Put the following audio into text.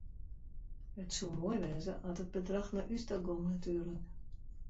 It soe moai wêze at it bedrach nei ús ta gong natuerlik.